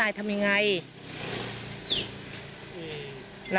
อีกรบ